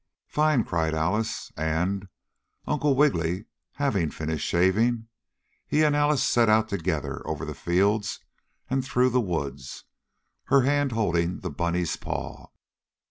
"Fine!" cried Alice, and, Uncle Wiggily having finished shaving, he and Alice set out together over the fields and through the wood, her hand holding the bunny's paw.